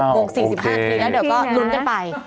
เดี๋ยวก็ลุ้นกันไป